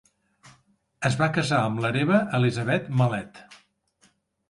Es va casar amb l'hereva Elizabeth Malet.